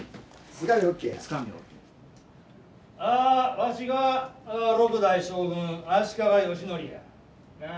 わしが６代将軍足利義教や。